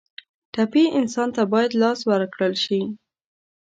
ټپي انسان ته باید لاس ورکړل شي.